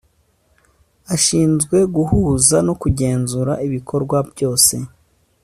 ashinzwe guhuza no kugenzura ibikorwa byose